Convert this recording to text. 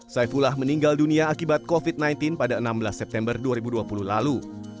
saifullah meninggal dunia akibat covid sembilan belas pada enam belas september dua ribu dua puluh lalu